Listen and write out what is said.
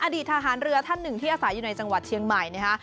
อดีตทหารเรือท่านหนึ่งที่อาศัยอยู่ในจังหวัดเชียงใหม่นะคะ